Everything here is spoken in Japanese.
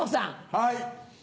はい。